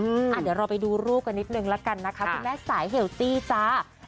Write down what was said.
อ้าวเดี๋ยวเราไปดูลูกกันนิดนึงแล้วกันนะคะคุณแม่สายเฮลที่อาจารย์จ๊ะ